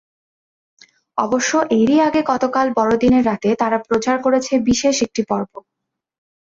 অবশ্য এরই আগে গতকাল বড়দিনের রাতে তারা প্রচার করেছে বিশেষ একটি পর্ব।